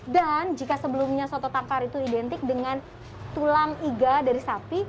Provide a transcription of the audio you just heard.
dan jika sebelumnya soto tangkar itu identik dengan tulang iga dari sapi